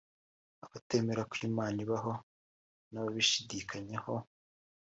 Abatemera ko Imana ibaho n’ababishidikanyaho